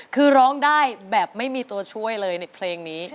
คือร้องได้แบบไม่มีตัวช่วยเลยในเพลงนี้